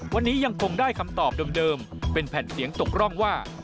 วันนี้ยังคงได้คำตอบเดิมเป็นแผ่นเสียงตกร่องว่า